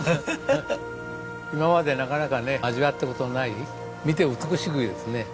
今までなかなかね味わった事のない見て美しくですね